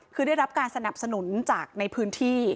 คือได้รับการสนับสนุนจากในพื้นที่